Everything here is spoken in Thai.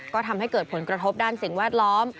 ก็ทำให้เกิดผลกระทบด้านสิ่งแวดล้อม